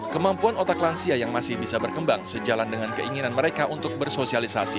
kemampuan otak lansia yang masih bisa berkembang sejalan dengan keinginan mereka untuk bersosialisasi